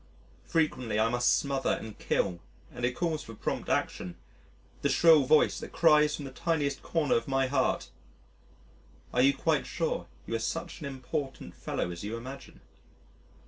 Frequently I must smother and kill (and it calls for prompt action) the shrill voice that cries from the tiniest corner of my heart, "Are you quite sure you are such an important fellow as you imagine?"